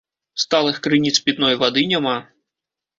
Сталых крыніц пітной вады няма.